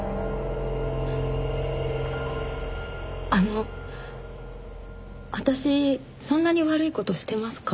あの私そんなに悪い事してますか？